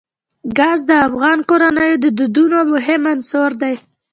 ګاز د افغان کورنیو د دودونو مهم عنصر دی.